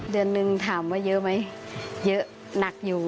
เดือนหนึ่งถามว่าเยอะไหมเยอะหนักอยู่